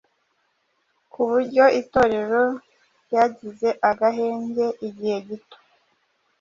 ku buryo Itorero ryagize agahenge igihe gito.